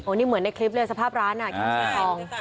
โอ้นี่เหมือนในคลิปเลยสภาพร้านอ่ะน้ำเสียคลอง